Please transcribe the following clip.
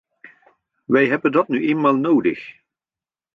Wij hebben dat nu eenmaal nodig.